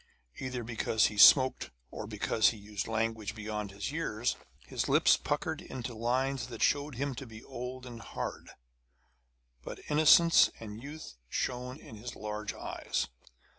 Either because he smoked or because he used language beyond his years, his lips puckered into lines that showed him to be old and hard; but innocence and youth shone in his large eyes.